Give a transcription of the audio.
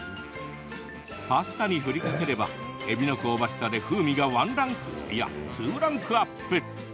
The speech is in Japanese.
パスタに振りかければえびの香ばしさで風味がワンランク、いやツーランクアップ。